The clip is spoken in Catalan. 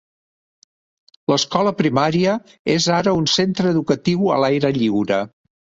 L'escola primària és ara un centre educatiu a l'aire lliure.